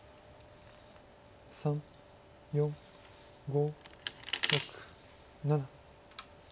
３４５６７。